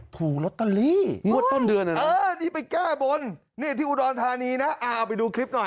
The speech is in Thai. ถูรตตัลลี่นี่ไปก้าบนนี่ที่อุดรนทานีนะเอาไปดูคลิปหน่อย